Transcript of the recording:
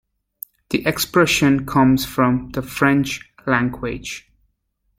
The expression comes from the French language.